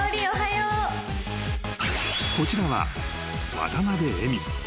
［こちらは渡辺恵美］